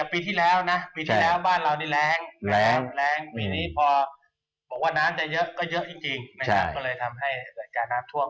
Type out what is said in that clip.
ปีที่แล้วบ้านเรานี่แรงลมแรงปีที่นี้ออกวะน้ำเยอะก็เยอะจริงจริง